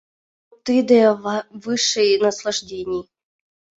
Вот тиде — высший наслаждений.